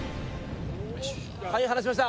はいはなしました